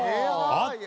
あった！